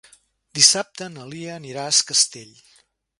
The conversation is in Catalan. Dissabte na Lia anirà a Es Castell.